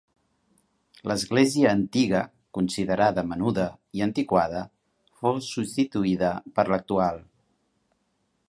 L'església antiga, considerada menuda i antiquada, fou substituïda per l'actual.